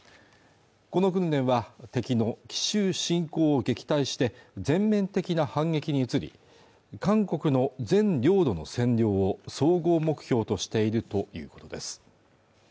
この訓練は敵の奇襲侵攻を撃退して全面的な反撃に移り韓国の全領土の占領を総合目標としているということです